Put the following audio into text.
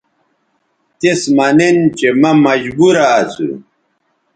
تِس مہ نِن چہءمہ مجبورہ اسُو